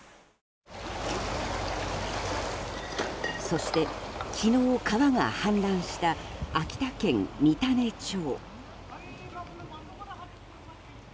そして昨日、川が氾濫した秋田県三種町。